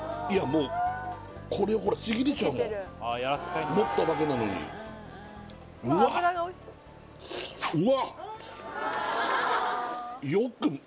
もうこれほらちぎれちゃうもん持っただけなのにうわっうわっ！